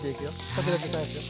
時々返すよ。